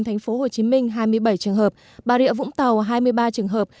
thành phố hồ chí minh hai mươi bảy trường hợp bà rịa vũng tàu hai mươi ba trường hợp